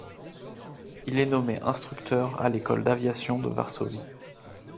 Il est nommé instructeur à l'école d'aviation de Varsovie.